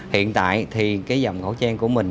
hiện tại thì cái dòng khẩu trang của mình